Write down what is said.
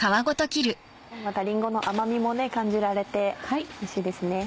またりんごの甘みも感じられておいしいですね。